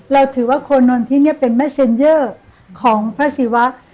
เราถือว่าโคนนนท์ที่นี่เป็นแม่เซ็นเยอร์ของพระศิวะ